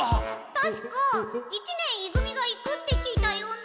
たしか一年い組が行くって聞いたような。